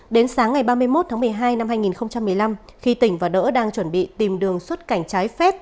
đến sáng ngày ba mươi một tháng một mươi hai năm hai nghìn một mươi năm khi tỉnh và đỡ đang chuẩn bị tìm đường xuất cảnh trái phép